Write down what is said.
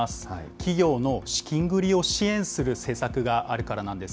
企業の資金繰りを支援する政策があるからなんです。